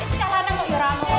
ini tidak lana kok yoramu